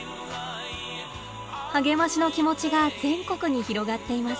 励ましの気持ちが全国に広がっています。